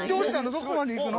どこまで行くの？